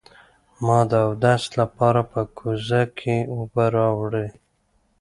ما د اودس لپاره په کوزه کې اوبه راوړې.